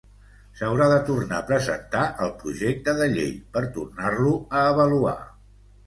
S'haurà de tornar a presentar el projecte de llei per tornar-lo a avaluar.